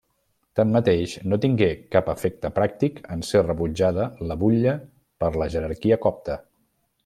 Tanmateix, no tingué cap efecte pràctic en ser rebutjada la butlla per la jerarquia copta.